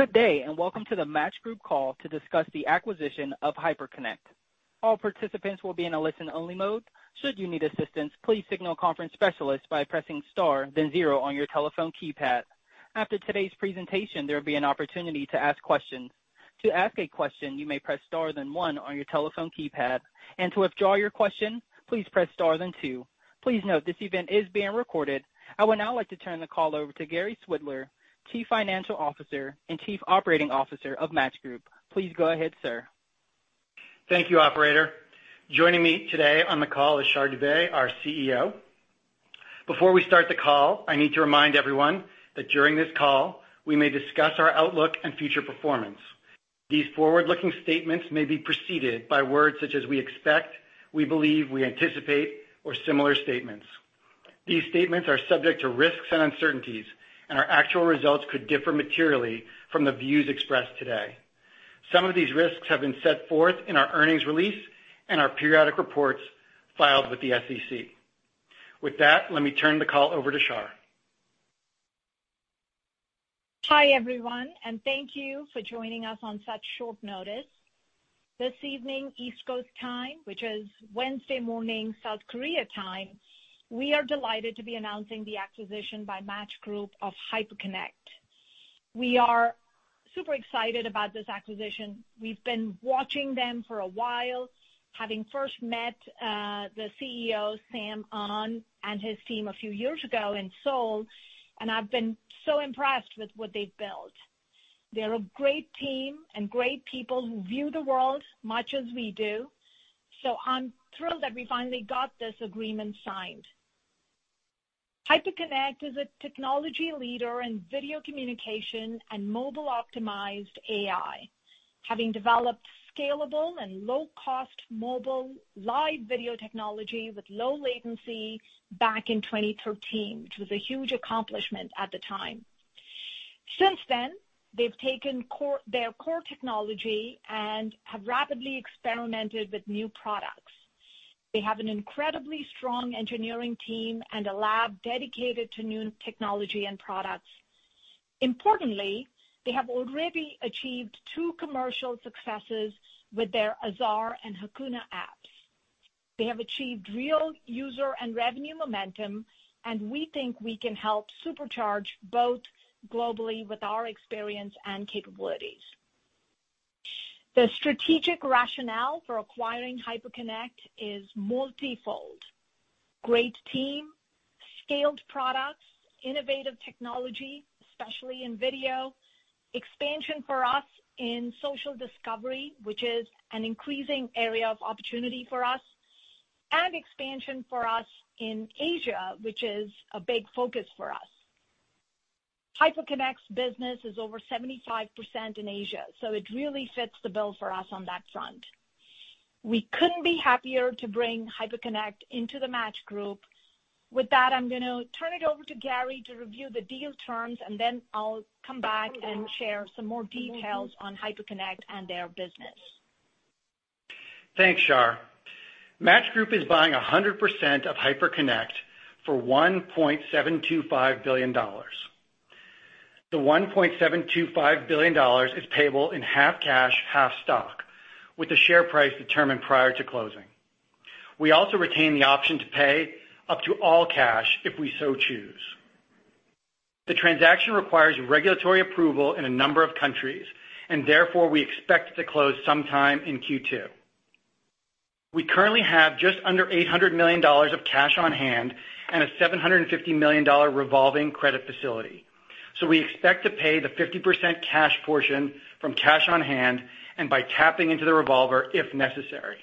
Good day, and welcome to the Match Group call to discuss the acquisition of Hyperconnect. All participants will be in a listen-only mode. Should you need assistance, please signal a conference specialist by pressing star, then zero on your telephone keypad. After today's presentation, there will be an opportunity to ask questions. To ask a question, you may press star, then one on your telephone keypad, and to withdraw your question, please press star, then two. Please note this event is being recorded. I would now like to turn the call over to Gary Swidler, Chief Financial Officer and Chief Operating Officer of Match Group. Please go ahead, sir. Thank you, operator. Joining me today on the call is Shar Dubey, our CEO. Before we start the call, I need to remind everyone that during this call, we may discuss our outlook and future performance. These forward-looking statements may be preceded by words such as "we expect," "we believe," "we anticipate," or similar statements. These statements are subject to risks and uncertainties, and our actual results could differ materially from the views expressed today. Some of these risks have been set forth in our earnings release and our periodic reports filed with the SEC. With that, let me turn the call over to Shar. Hi, everyone, thank you for joining us on such short notice. This evening, East Coast time, which is Wednesday morning, South Korea time, we are delighted to be announcing the acquisition by Match Group of Hyperconnect. We are super excited about this acquisition. We've been watching them for a while, having first met the CEO, Sam Ahn, and his team a few years ago in Seoul, and I've been so impressed with what they've built. They're a great team and great people who view the world much as we do. I'm thrilled that we finally got this agreement signed. Hyperconnect is a technology leader in video communication and mobile-optimized AI, having developed scalable and low-cost mobile live video technology with low latency back in 2013, which was a huge accomplishment at the time. Since then, they've taken their core technology and have rapidly experimented with new products. They have an incredibly strong engineering team and a lab dedicated to new technology and products. Importantly, they have already achieved two commercial successes with their Azar and Hakuna apps. They have achieved real user and revenue momentum, and we think we can help supercharge both globally with our experience and capabilities. The strategic rationale for acquiring Hyperconnect is multifold. Great team, scaled products, innovative technology, especially in video. Expansion for us in social discovery, which is an increasing area of opportunity for us, and expansion for us in Asia, which is a big focus for us. Hyperconnect's business is over 75% in Asia, so it really fits the bill for us on that front. We couldn't be happier to bring Hyperconnect into Match Group. With that, I'm going to turn it over to Gary to review the deal terms, then I'll come back and share some more details on Hyperconnect and their business. Thanks, Shar. Match Group is buying 100% of Hyperconnect for $1.725 billion. The $1.725 billion is payable in half cash, half stock, with the share price determined prior to closing. We also retain the option to pay up to all cash if we so choose. The transaction requires regulatory approval in a number of countries, therefore, we expect it to close sometime in Q2. We currently have just under $800 million of cash on hand and a $750 million revolving credit facility. We expect to pay the 50% cash portion from cash on hand and by tapping into the revolver if necessary.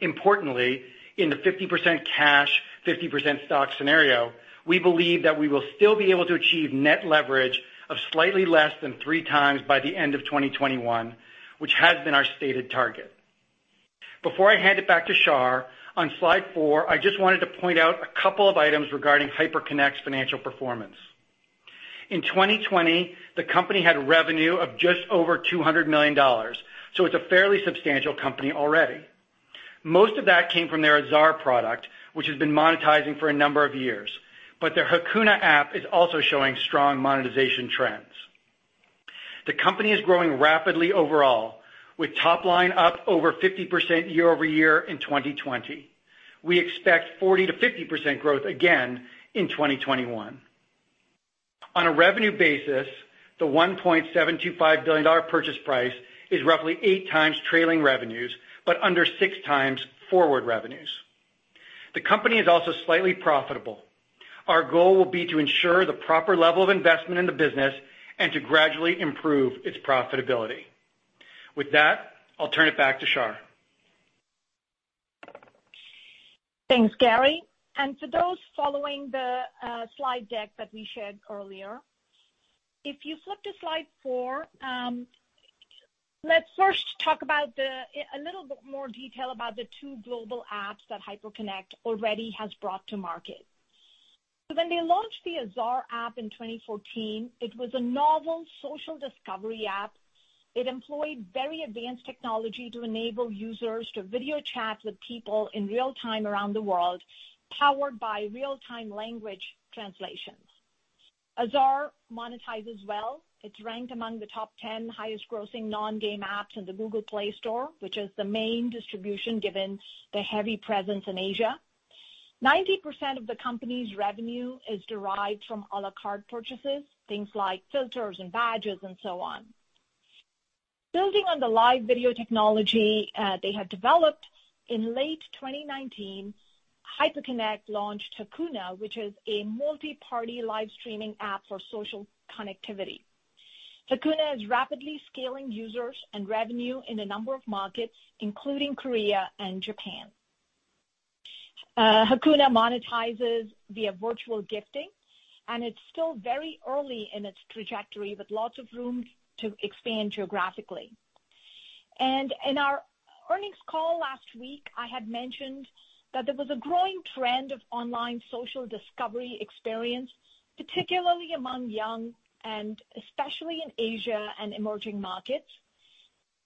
Importantly, in the 50% cash, 50% stock scenario, we believe that we will still be able to achieve net leverage of slightly less than 3x by the end of 2021, which has been our stated target. Before I hand it back to Shar, on slide four, I just wanted to point out a couple of items regarding Hyperconnect's financial performance. In 2020, the company had revenue of just over $200 million, so it's a fairly substantial company already. Most of that came from their Azar product, which has been monetizing for a number of years, but their Hakuna app is also showing strong monetization trends. The company is growing rapidly overall, with top line up over 50% year-over-year in 2020. We expect 40%-50% growth again in 2021. On a revenue basis, the $1.725 billion purchase price is roughly eight times trailing revenues but under six times forward revenues. The company is also slightly profitable. Our goal will be to ensure the proper level of investment in the business and to gradually improve its profitability. With that, I'll turn it back to Shar. Thanks, Gary. To those following the slide deck that we shared earlier, if you flip to slide four, let's first talk about a little bit more detail about the two global apps that Hyperconnect already has brought to market. When they launched the Azar app in 2014, it was a novel social discovery app. It employed very advanced technology to enable users to video chat with people in real time around the world, powered by real-time language translations. Azar monetizes well. It's ranked among the top 10 highest grossing non-game apps in the Google Play Store, which is the main distribution given the heavy presence in Asia. 90% of the company's revenue is derived from a la carte purchases, things like filters and badges and so on. Building on the live video technology they had developed, in late 2019, Hyperconnect launched Hakuna, which is a multi-party live streaming app for social connectivity. Hakuna is rapidly scaling users and revenue in a number of markets, including Korea and Japan. Hakuna monetizes via virtual gifting. It's still very early in its trajectory with lots of room to expand geographically. In our earnings call last week, I had mentioned that there was a growing trend of online social discovery experience, particularly among young and especially in Asia and emerging markets.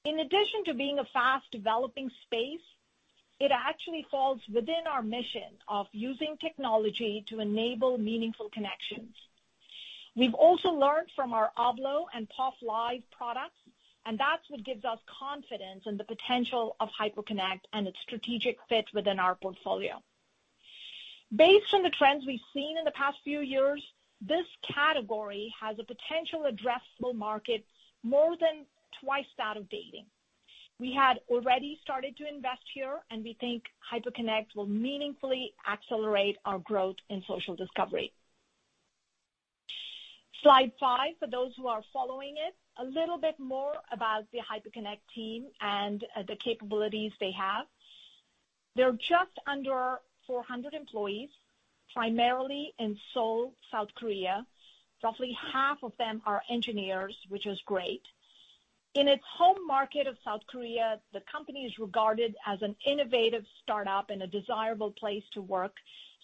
In addition to being a fast-developing space, it actually falls within our mission of using technology to enable meaningful connections. We've also learned from our Ablo and POF Live products. That's what gives us confidence in the potential of Hyperconnect and its strategic fit within our portfolio. Based on the trends we've seen in the past few years, this category has a potential addressable market more than twice that of dating. We had already started to invest here, and we think Hyperconnect will meaningfully accelerate our growth in social discovery. Slide five, for those who are following it, a little bit more about the Hyperconnect team and the capabilities they have. They're just under 400 employees, primarily in Seoul, South Korea. Roughly half of them are engineers, which is great. In its home market of South Korea, the company is regarded as an innovative startup and a desirable place to work,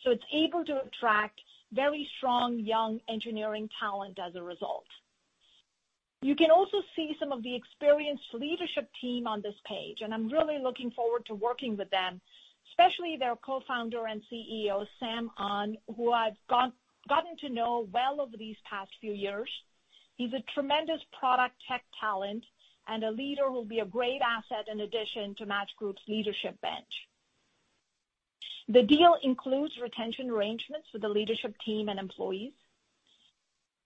so it's able to attract very strong young engineering talent as a result. You can also see some of the experienced leadership team on this page, and I'm really looking forward to working with them, especially their co-founder and CEO, Sam Ahn, who I've gotten to know well over these past few years. He's a tremendous product tech talent and a leader who will be a great asset in addition to Match Group's leadership bench. The deal includes retention arrangements for the leadership team and employees.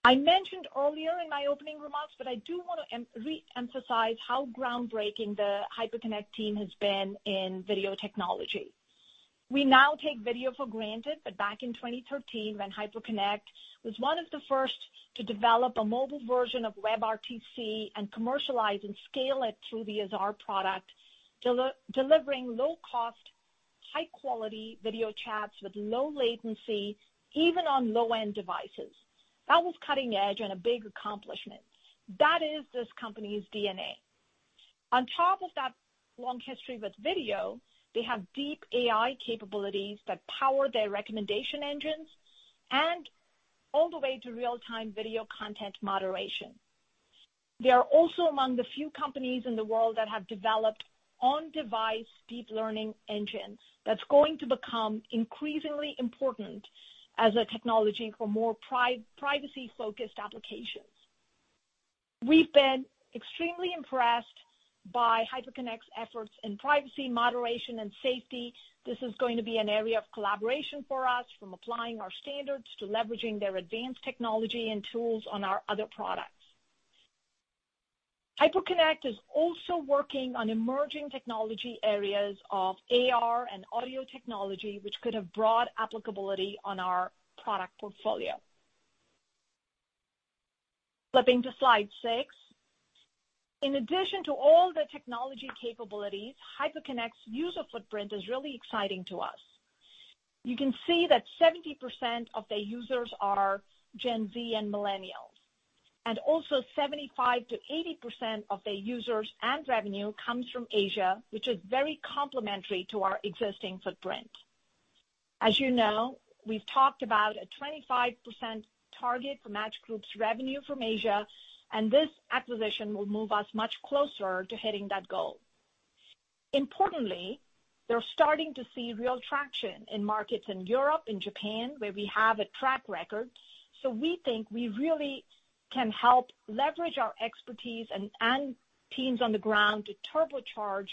I mentioned earlier in my opening remarks, but I do want to reemphasize how groundbreaking the Hyperconnect team has been in video technology. We now take video for granted, but back in 2013, when Hyperconnect was one of the first to develop a mobile version of WebRTC and commercialize and scale it through the Azar product, delivering low-cost, high-quality video chats with low latency, even on low-end devices. That was cutting edge and a big accomplishment. That is this company's DNA. On top of that long history with video, they have deep AI capabilities that power their recommendation engines and all the way to real-time video content moderation. They are also among the few companies in the world that have developed on-device deep learning engines that's going to become increasingly important as a technology for more privacy-focused applications. We've been extremely impressed by Hyperconnect's efforts in privacy, moderation, and safety. This is going to be an area of collaboration for us, from applying our standards to leveraging their advanced technology and tools on our other products. Hyperconnect is also working on emerging technology areas of AR and audio technology, which could have broad applicability on our product portfolio. Flipping to slide six. In addition to all the technology capabilities, Hyperconnect's user footprint is really exciting to us. You can see that 70% of their users are Gen Z and millennials, and also 75%-80% of their users and revenue comes from Asia, which is very complementary to our existing footprint. As you know, we've talked about a 25% target for Match Group's revenue from Asia. This acquisition will move us much closer to hitting that goal. Importantly, they're starting to see real traction in markets in Europe and Japan, where we have a track record. We think we really can help leverage our expertise and teams on the ground to turbocharge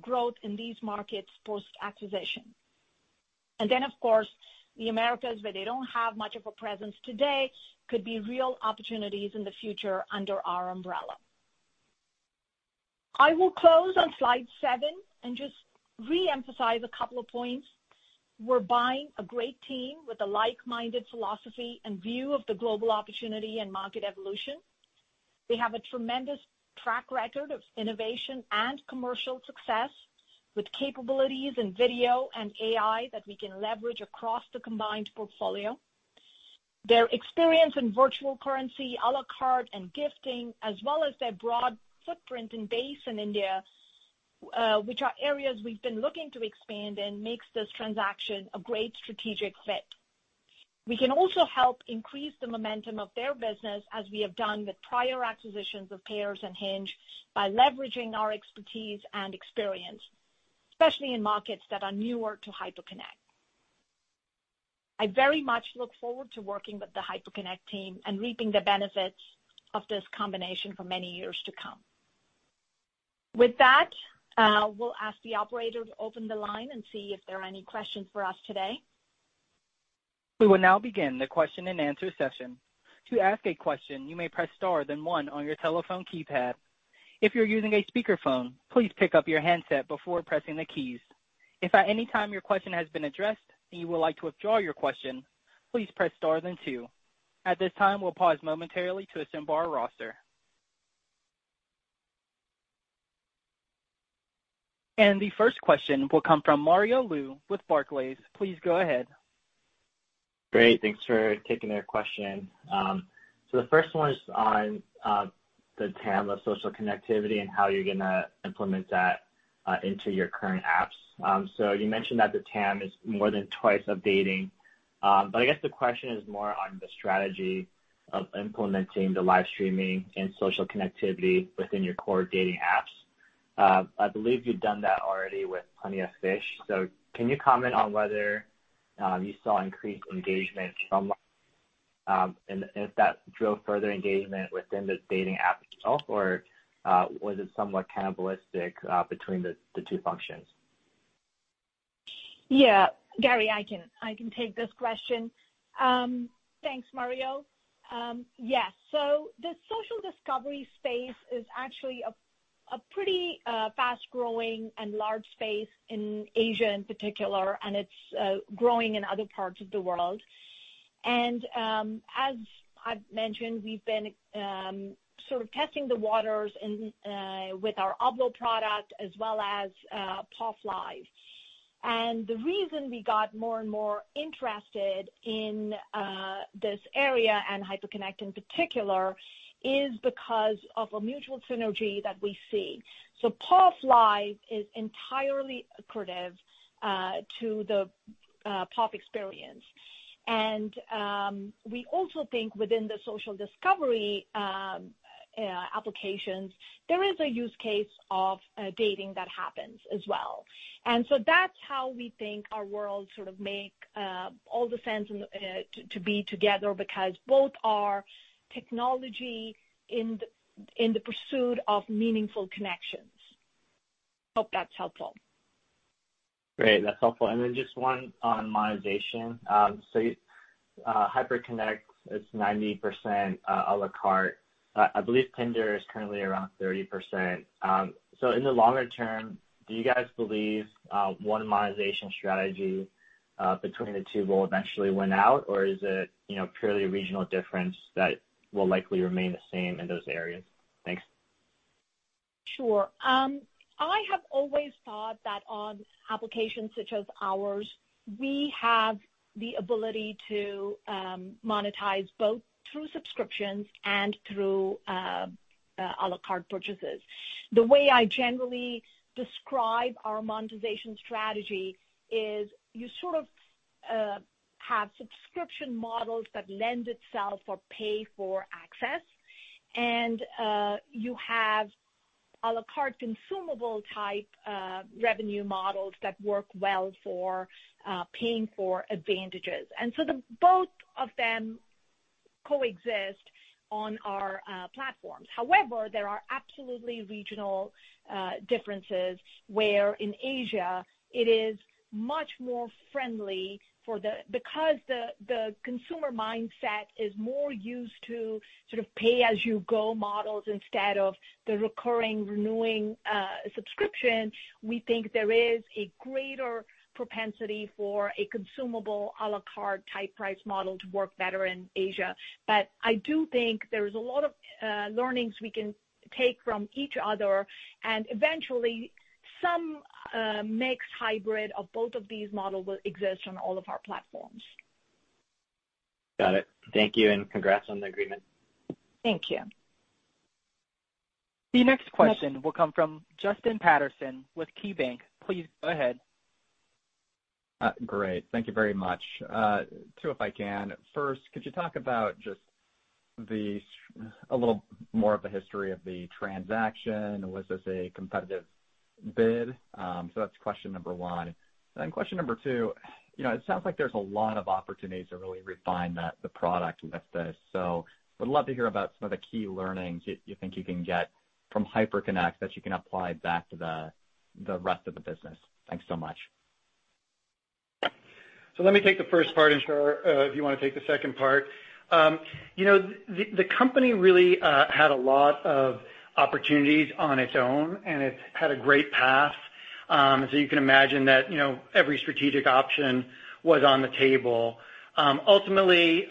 growth in these markets post-acquisition. Of course, the Americas, where they don't have much of a presence today, could be real opportunities in the future under our umbrella. I will close on slide seven and just reemphasize a couple of points. We're buying a great team with a like-minded philosophy and view of the global opportunity and market evolution. They have a tremendous track record of innovation and AI that we can leverage across the combined portfolio. Their experience in virtual currency, a la carte, and gifting, as well as their broad footprint and base in India, which are areas we've been looking to expand in, makes this transaction a great strategic fit. We can also help increase the momentum of their business as we have done with prior acquisitions of Pairs and Hinge by leveraging our expertise and experience, especially in markets that are newer to Hyperconnect. I very much look forward to working with the Hyperconnect team and reaping the benefits of this combination for many years to come. With that, we'll ask the operator to open the line and see if there are any questions for us today. We will now begin our Q&A session, to ask a question, you may press star then one on your telephone keypad. If you're using a speakerphone, please pick up your handset before pressing the keys. If at any time your question has been addressed and you would like to withdraw your question, please press star then two. At this time, we'll pause momentarily to assemble our roster. The first question will come from Mario Lu with Barclays. Please go ahead. Great. Thanks for taking our question. The first one is on the TAM of social connectivity and how you're going to implement that into your current apps. You mentioned that the TAM is more than twice of dating, but I guess the question is more on the strategy of implementing the live streaming and social connectivity within your core dating apps. I believe you've done that already with Plenty of Fish. Can you comment on whether you saw increased engagement from that, and if that drove further engagement within the dating app itself, or was it somewhat cannibalistic between the two functions? Gary, I can take this question. Thanks, Mario. The social discovery space is actually a pretty fast-growing and large space in Asia, in particular, and it's growing in other parts of the world. As I've mentioned, we've been sort of testing the waters with our Ablo product as well as POF Live. The reason we got more and more interested in this area and Hyperconnect in particular is because of a mutual synergy that we see. POF Live is entirely accretive to the POF experience. We also think within the social discovery applications, there is a use case of dating that happens as well. That's how we think our worlds sort of make all the sense to be together because both are technology in the pursuit of meaningful connections. Hope that's helpful. Great. That's helpful. Then just one on monetization. Hyperconnect is 90% à la carte. I believe Tinder is currently around 30%. In the longer term, do you guys believe one monetization strategy between the two will eventually win out, or is it purely a regional difference that will likely remain the same in those areas? Thanks. Sure. I have always thought that on applications such as ours, we have the ability to monetize both through subscriptions and through à la carte purchases. The way I generally describe our monetization strategy is you sort of have subscription models that lend itself for pay for access, and you have à la carte consumable-type revenue models that work well for paying for advantages. Both of them coexist on our platforms. However, there are absolutely regional differences where in Asia it is much more friendly for because the consumer mindset is more used to pay-as-you-go models instead of the recurring renewing subscription, we think there is a greater propensity for a consumable à la carte type price model to work better in Asia. I do think there is a lot of learnings we can take from each other, and eventually some mixed hybrid of both of these models will exist on all of our platforms. Got it. Thank you, and congrats on the agreement. Thank you. The next question will come from Justin Patterson with KeyBanc. Please go ahead. Great. Thank you very much. Two, if I can. First, could you talk about just a little more of the history of the transaction? Was this a competitive bid? That's question number one. Question number two, it sounds like there's a lot of opportunity to really refine the product with this. Would love to hear about some of the key learnings you think you can get from Hyperconnect that you can apply back to the rest of the business. Thanks so much. Let me take the first part, and Shar, if you want to take the second part. The company really had a lot of opportunities on its own, and it had a great path. You can imagine that every strategic option was on the table. Ultimately,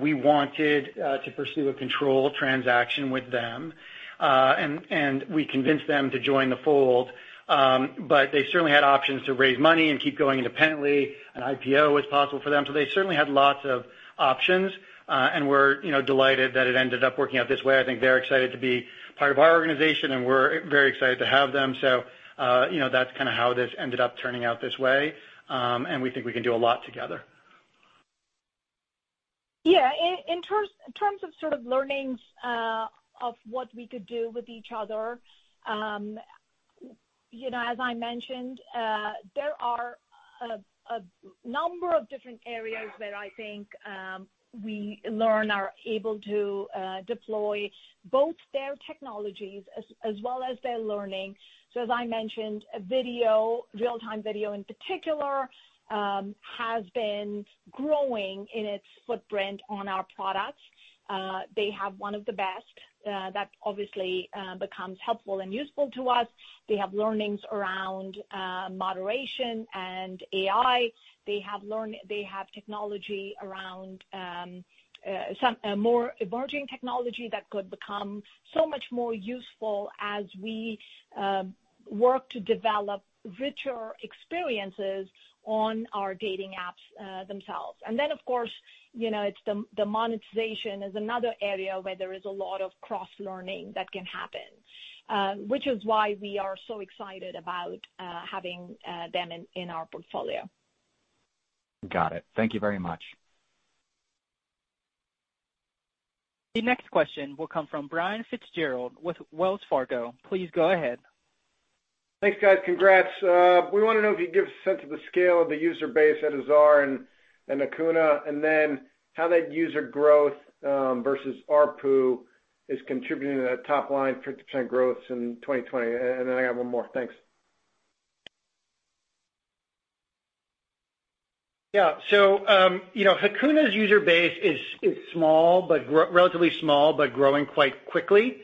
we wanted to pursue a control transaction with them. We convinced them to join the fold, but they certainly had options to raise money and keep going independently. An IPO was possible for them. They certainly had lots of options, and we're delighted that it ended up working out this way. I think they're excited to be part of our organization, and we're very excited to have them. That's kind of how this ended up turning out this way, and we think we can do a lot together. Yeah. In terms of learnings of what we could do with each other, as I mentioned, there are a number of different areas where I think we learn are able to deploy both their technologies as well as their learning. As I mentioned, video, real-time video in particular, has been growing in its footprint on our products. They have one of the best. That obviously becomes helpful and useful to us. They have learnings around moderation and AI. They have technology around some more emerging technology that could become so much more useful as we work to develop richer experiences on our dating apps themselves. Of course, the monetization is another area where there is a lot of cross-learning that can happen, which is why we are so excited about having them in our portfolio. Got it. Thank you very much. The next question will come from Brian Fitzgerald with Wells Fargo. Please go ahead. Thanks, guys. Congrats. We want to know if you could give a sense of the scale of the user base at Azar and Hakuna, and then how that user growth versus ARPU is contributing to that top line 50% growth in 2020. I have one more. Thanks. Hakuna's user base is relatively small, but growing quite quickly.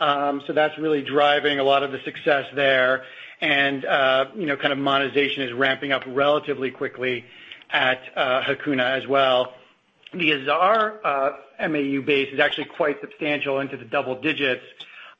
That's really driving a lot of the success there. Monetization is ramping up relatively quickly at Hakuna as well. The Azar MAU base is actually quite substantial into the double digits.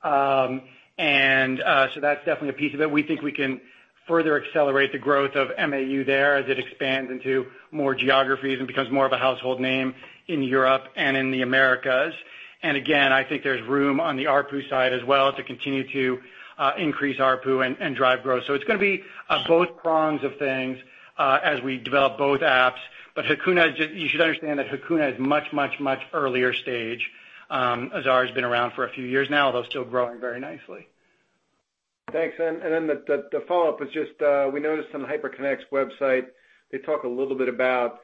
That's definitely a piece of it. We think we can further accelerate the growth of MAU there as it expands into more geographies and becomes more of a household name in Europe and in the Americas. Again, I think there's room on the ARPU side as well to continue to increase ARPU and drive growth. It's going to be both prongs of things as we develop both apps. You should understand that Hakuna is much, much, much earlier stage. Azar has been around for a few years now, though still growing very nicely. Thanks. The follow-up was just, we noticed on the Hyperconnect website, they talk a little bit about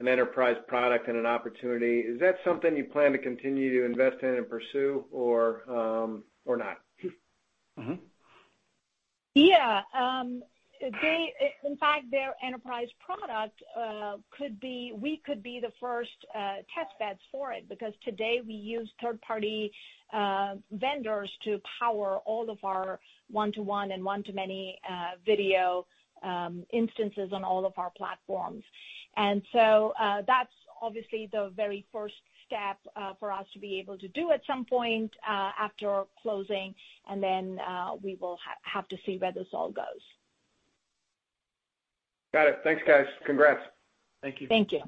an enterprise product and an opportunity. Is that something you plan to continue to invest in and pursue or not? Yeah. In fact, their enterprise product, we could be the first test beds for it, because today we use third-party vendors to power all of our one-to-one and one-to-many video instances on all of our platforms. That's obviously the very first step for us to be able to do at some point after closing, and then we will have to see where this all goes. Got it. Thanks, guys. Congrats. Thank you. Thank you.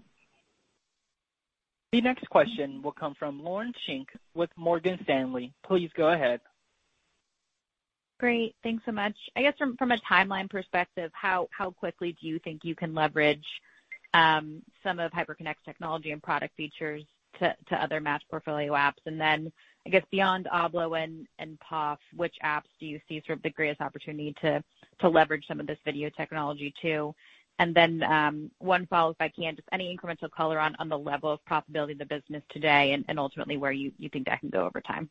The next question will come from Lauren Schenk with Morgan Stanley. Please go ahead. Great. Thanks so much. I guess from a timeline perspective, how quickly do you think you can leverage some of Hyperconnect's technology and product features to other Match portfolio apps? I guess beyond Ablo and POF, which apps do you see the greatest opportunity to leverage some of this video technology to? One follow-up, if I can, just any incremental color on the level of profitability of the business today and ultimately where you think that can go over time?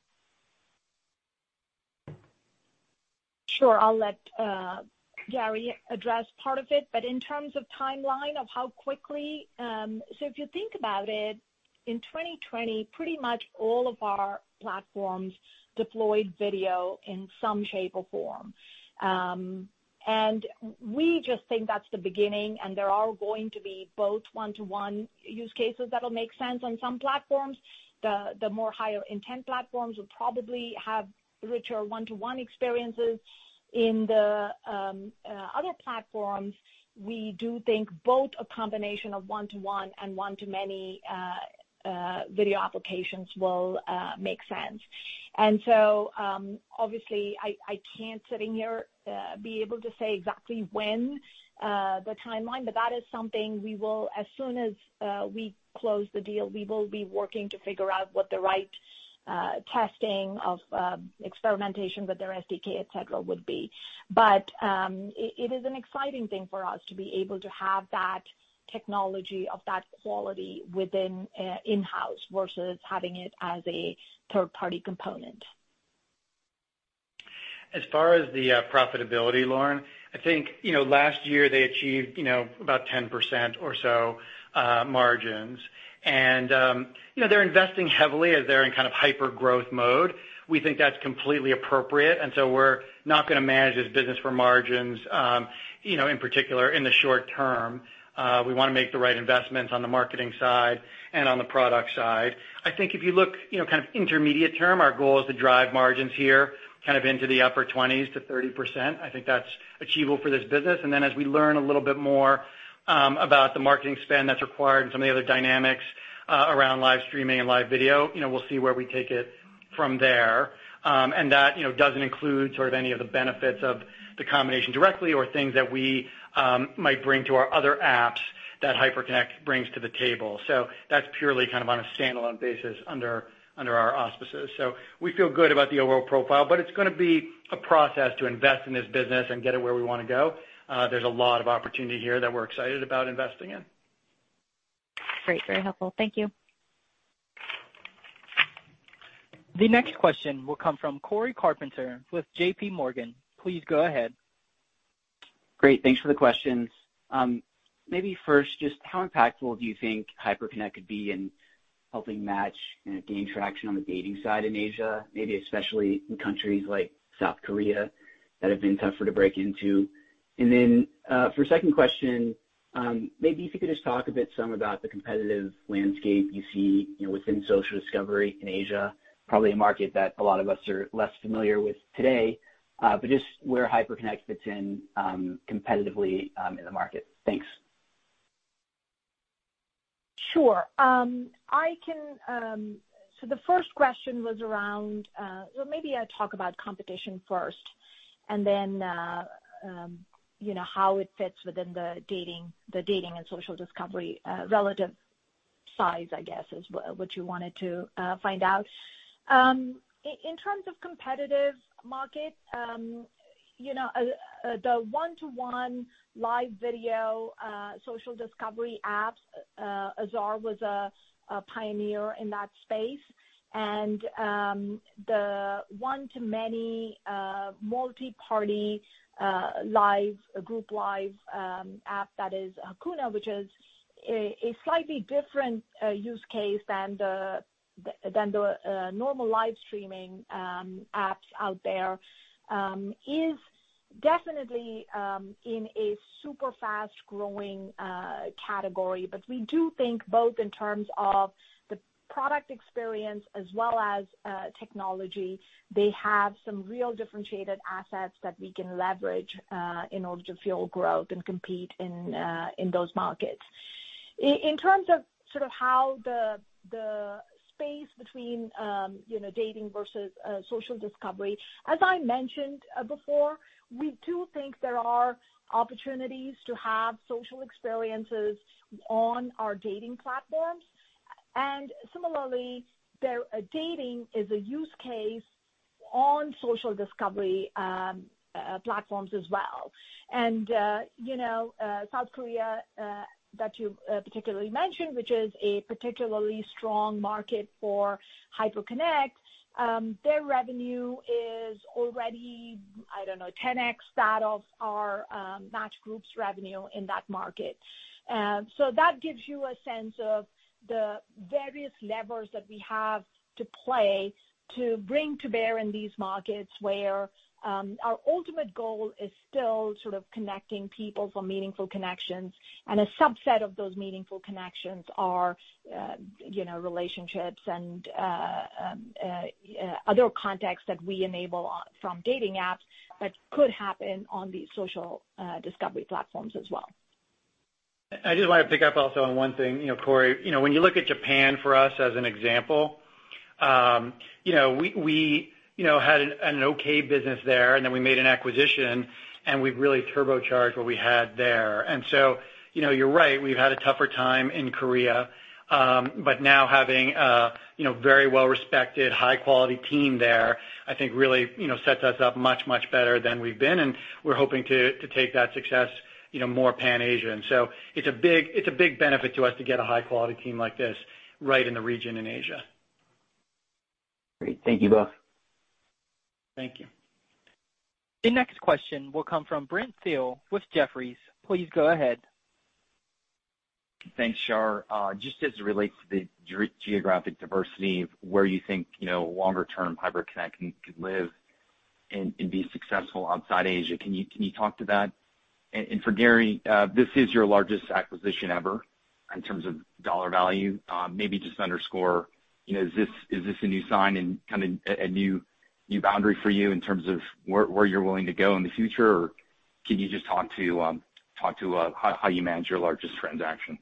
Sure. I'll let Gary address part of it. In terms of timeline of how quickly, if you think about it, in 2020, pretty much all of our platforms deployed video in some shape or form. We just think that's the beginning, there are going to be both one-to-one use cases that'll make sense on some platforms. The more higher intent platforms will probably have richer one-to-one experiences. In the other platforms, we do think both a combination of one-to-one and one-to-many video applications will make sense. Obviously I can't, sitting here, be able to say exactly when the timeline, that is something, as soon as we close the deal, we will be working to figure out what the right testing of experimentation with their SDK, et cetera, would be. It is an exciting thing for us to be able to have that technology of that quality within in-house versus having it as a third-party component. As far as the profitability, Lauren, I think last year they achieved about 10% or so margins. They're investing heavily as they're in kind of hyper-growth mode. We think that's completely appropriate, and so we're not going to manage this business for margins in particular in the short term. We want to make the right investments on the marketing side and on the product side. I think if you look intermediate term, our goal is to drive margins here into the upper 20s to 30%. I think that's achievable for this business. As we learn a little bit more about the marketing spend that's required and some of the other dynamics around live streaming and live video, we'll see where we take it from there. That doesn't include sort of any of the benefits of the combination directly or things that we might bring to our other apps that Hyperconnect brings to the table. That's purely kind of on a standalone basis under our auspices. We feel good about the overall profile, but it's going to be a process to invest in this business and get it where we want to go. There's a lot of opportunity here that we're excited about investing in. Great. Very helpful. Thank you. The next question will come from Cory Carpenter with JPMorgan. Please go ahead. Great. Thanks for the questions. Maybe first, just how impactful do you think Hyperconnect could be in helping Match gain traction on the dating side in Asia, maybe especially in countries like South Korea that have been tougher to break into? Then, for second question, maybe if you could just talk a bit some about the competitive landscape you see within social discovery in Asia, probably a market that a lot of us are less familiar with today, but just where Hyperconnect fits in competitively in the market. Thanks. Sure. The first question was around Well, maybe I'll talk about competition first, and then how it fits within the dating and social discovery relative size, I guess, is what you wanted to find out. In terms of competitive market, the one-to-one live video social discovery apps, Azar was a pioneer in that space. The one-to-many multi-party group live app that is Hakuna, which is a slightly different use case than the normal live streaming apps out there, is definitely in a super fast-growing category. We do think both in terms of the product experience as well as technology, they have some real differentiated assets that we can leverage in order to fuel growth and compete in those markets. In terms of how the space between dating versus social discovery, as I mentioned before, we do think there are opportunities to have social experiences on our dating platforms. Similarly, dating is a use case on social discovery platforms as well. South Korea, that you particularly mentioned, which is a particularly strong market for Hyperconnect, their revenue is already, I don't know, 10x that of our Match Group's revenue in that market. That gives you a sense of the various levers that we have to play to bring to bear in these markets, where our ultimate goal is still sort of connecting people for meaningful connections. A subset of those meaningful connections are relationships and other contexts that we enable from dating apps that could happen on these social discovery platforms as well. I just want to pick up also on one thing, Cory. When you look at Japan for us as an example, we had an okay business there, and then we made an acquisition, and we've really turbocharged what we had there. You're right, we've had a tougher time in Korea. Now having a very well-respected, high-quality team there, I think really sets us up much, much better than we've been, and we're hoping to take that success more pan-Asia. It's a big benefit to us to get a high-quality team like this right in the region in Asia. Great. Thank you both. Thank you. The next question will come from Brent Thill with Jefferies. Please go ahead. Thanks, Shar. Just as it relates to the geographic diversity of where you think longer-term Hyperconnect can live and be successful outside Asia, can you talk to that? For Gary, this is your largest acquisition ever in terms of dollar value. Maybe just underscore, is this a new sign and kind of a new boundary for you in terms of where you're willing to go in the future? Can you just talk to how you manage your largest transaction?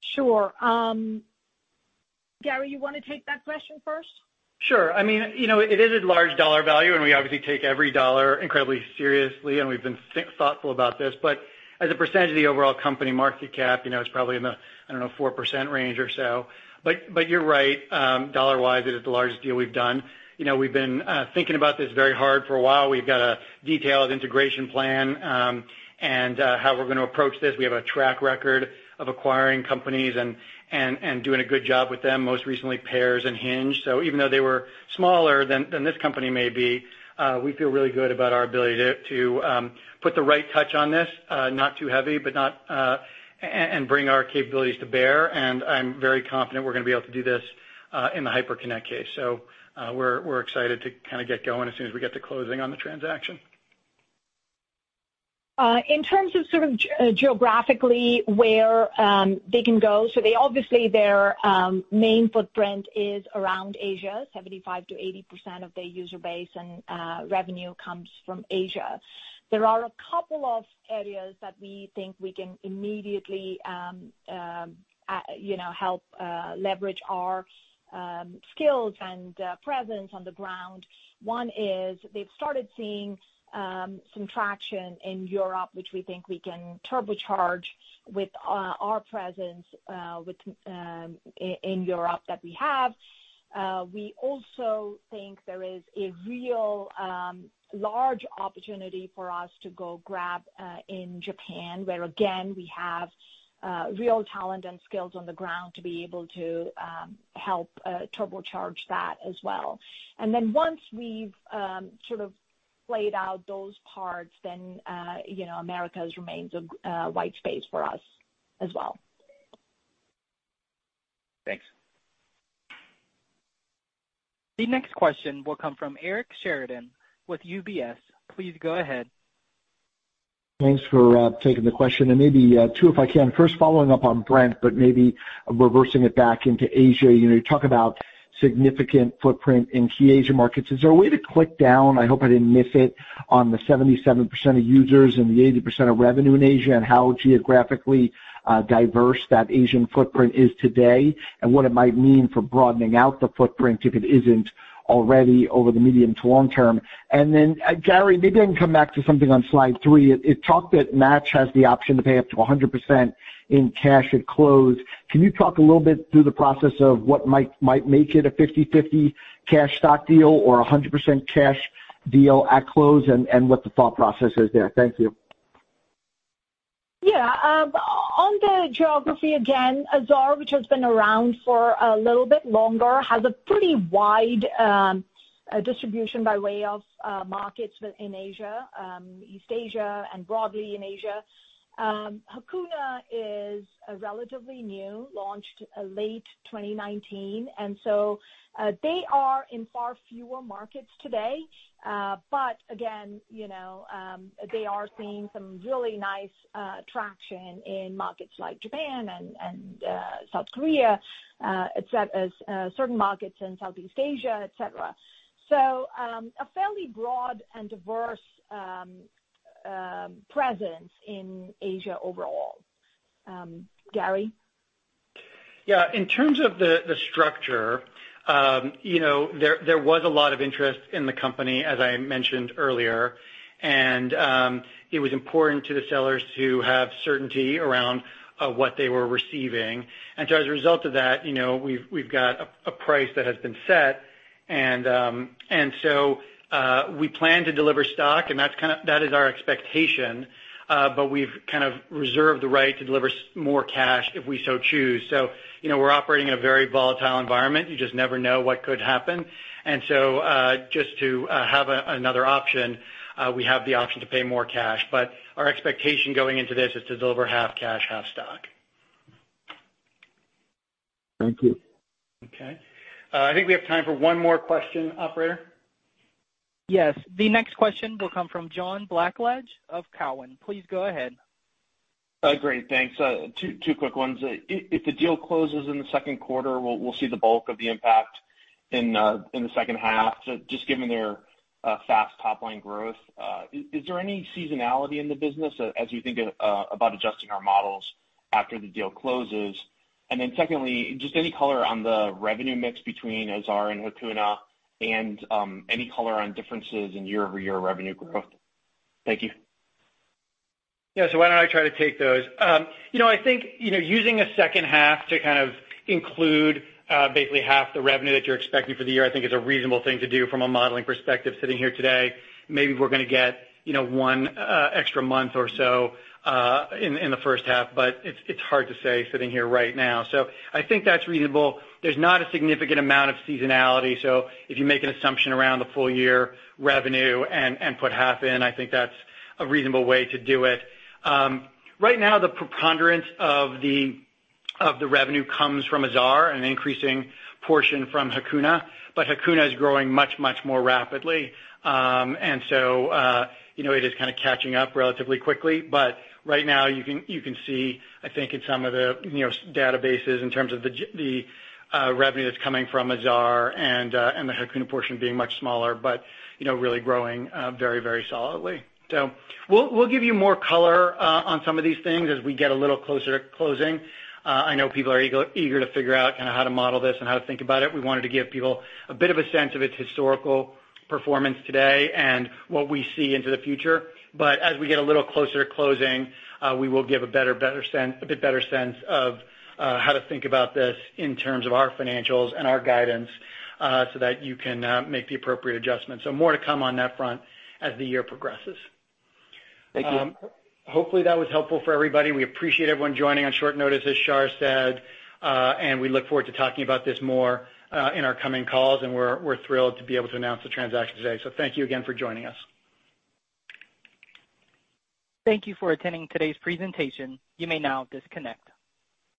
Sure. Gary, you want to take that question first? Sure. It is a large dollar value, and we obviously take every dollar incredibly seriously, and we've been thoughtful about this. As a percentage of the overall company market cap, it's probably in the, I don't know, 4% range or so. You're right. Dollar-wise, it is the largest deal we've done. We've been thinking about this very hard for a while. We've got a detailed integration plan on how we're going to approach this. We have a track record of acquiring companies and doing a good job with them, most recently Pairs and Hinge. Even though they were smaller than this company may be, we feel really good about our ability to put the right touch on this, not too heavy, and bring our capabilities to bear. I'm very confident we're going to be able to do this in the Hyperconnect case. We're excited to kind of get going as soon as we get to closing on the transaction. In terms of geographically where they can go, obviously, their main footprint is around Asia. 75%-80% of their user base and revenue comes from Asia. There are a couple of areas that we think we can immediately help leverage our skills and presence on the ground. One is they've started seeing some traction in Europe, which we think we can turbocharge with our presence in Europe that we have. We also think there is a real large opportunity for us to go grab in Japan, where, again, we have real talent and skills on the ground to be able to help turbocharge that as well. Once we've sort of played out those parts, Americas remains a white space for us as well. Thanks. The next question will come from Eric Sheridan with UBS. Please go ahead. Thanks for taking the question, and maybe two, if I can. First, following up on Brent, but maybe reversing it back into Asia. You talk about significant footprint in key Asia markets. Is there a way to click down, I hope I didn't miss it, on the 77% of users and the 80% of revenue in Asia and how geographically diverse that Asian footprint is today and what it might mean for broadening out the footprint, if it isn't already, over the medium to long term? Gary, maybe I can come back to something on slide three. It talked that Match has the option to pay up to 100% in cash at close. Can you talk a little bit through the process of what might make it a 50/50 cash stock deal or 100% cash deal at close and what the thought process is there? Thank you. Yeah. On the geography, again, Azar, which has been around for a little bit longer, has a pretty wide distribution by way of markets within Asia, East Asia, and broadly in Asia. Hakuna is relatively new, launched late 2019. They are in far fewer markets today. Again, they are seeing some really nice traction in markets like Japan and South Korea, certain markets in Southeast Asia, et cetera. A fairly broad and diverse presence in Asia overall. Gary? Yeah. In terms of the structure, there was a lot of interest in the company, as I mentioned earlier, and it was important to the sellers to have certainty around what they were receiving. As a result of that, we've got a price that has been set. We plan to deliver stock, and that is our expectation. We've kind of reserved the right to deliver more cash if we so choose. We're operating in a very volatile environment. You just never know what could happen. Just to have another option, we have the option to pay more cash. Our expectation going into this is to deliver half cash, half stock. Thank you. Okay. I think we have time for one more question, operator. Yes. The next question will come from John Blackledge of Cowen. Please go ahead. Great. Thanks. Two quick ones. If the deal closes in the second quarter, we'll see the bulk of the impact in the second half, just given their fast top-line growth. Is there any seasonality in the business as you think about adjusting our models after the deal closes? Secondly, just any color on the revenue mix between Azar and Hakuna, and any color on differences in year-over-year revenue growth? Thank you. Yeah. Why don't I try to take those? I think using the second half to kind of include basically half the revenue that you're expecting for the year, I think is a reasonable thing to do from a modeling perspective sitting here today. Maybe we're going to get one extra month or so in the first half, but it's hard to say sitting here right now. I think that's reasonable. There's not a significant amount of seasonality, so if you make an assumption around the full year revenue and put half in, I think that's a reasonable way to do it. Right now, the preponderance of the revenue comes from Azar, an increasing portion from Hakuna. Hakuna is growing much, much more rapidly. It is kind of catching up relatively quickly. Right now you can see, I think, in some of the databases in terms of the revenue that's coming from Azar and the Hakuna portion being much smaller, but really growing very, very solidly. We'll give you more color on some of these things as we get a little closer to closing. I know people are eager to figure out kind of how to model this and how to think about it. We wanted to give people a bit of a sense of its historical performance today and what we see into the future. As we get a little closer to closing, we will give a bit better sense of how to think about this in terms of our financials and our guidance so that you can make the appropriate adjustments. More to come on that front as the year progresses. Thank you. Hopefully, that was helpful for everybody. We appreciate everyone joining on short notice, as Shar said, and we look forward to talking about this more in our coming calls. We're thrilled to be able to announce the transaction today. Thank you again for joining us. Thank you for attending today's presentation. You may now disconnect.